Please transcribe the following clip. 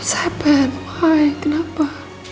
ini terjadi kenapa